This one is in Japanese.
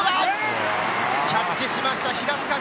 キャッチしました、平塚仁。